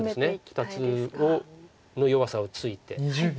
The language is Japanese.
２つの弱さをついて。